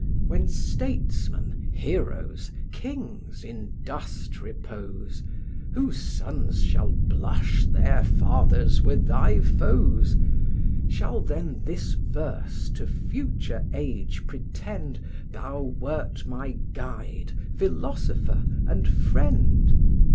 When statesmen, heroes, kings, in dust repose, Whose sons shall blush their fathers were thy foes, Shall then this verse to future age pretend Thou wert my guide, philosopher, and friend?